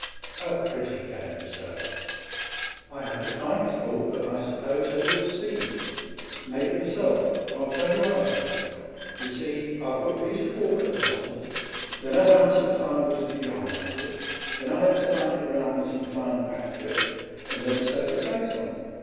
A pretty game, sir ! I had the finest ball that I suppose ever was seen. Made it myself ; I'll tell you how, sir. You see, I put a piece of cork at the bottom, then I wound some fine worsted yarn round it, then I had to bind it round with some fine packthread, and then sew the case on.